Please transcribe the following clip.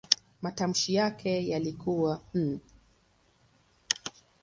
Matamshi yake yalikuwa "n".